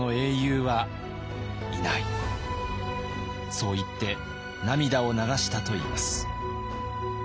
そう言って涙を流したといいます。